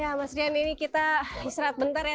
ya mas rian ini kita israt bentar ya